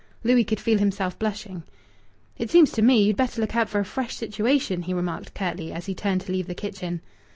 Louis could feel himself blushing. "It seems to me you'd better look out for a fresh situation," he remarked curtly, as he turned to leave the kitchen.